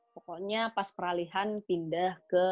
pokoknya pas peralihan pindah ke indonesia muda